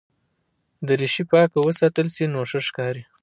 دریشي پاکه وساتل شي نو ښه ښکاري.